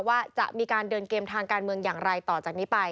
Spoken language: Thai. ว่าจะมีการเดินเกมทางการเมืองอย่างไรต่อจากนี้ไป